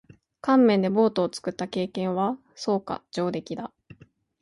乾麺でボートを作った経験は？そうか。上出来だ。